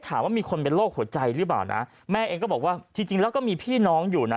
ถามว่ามีคนเป็นโรคหัวใจหรือเปล่านะแม่เองก็บอกว่าจริงจริงแล้วก็มีพี่น้องอยู่นะ